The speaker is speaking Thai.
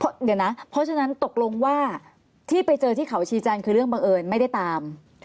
เดี๋ยวนะเพราะฉะนั้นตกลงว่าที่ไปเจอที่เขาชีจันทร์คือเรื่องบังเอิญไม่ได้ตาม